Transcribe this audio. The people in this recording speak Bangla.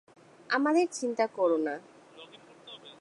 আমাদের চিন্তা করো না।